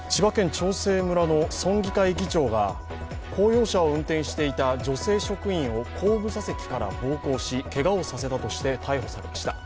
長生村の村議会議長が公用車を運転していた女性職員を後部座席から暴行しけがをさせたとして逮捕されました。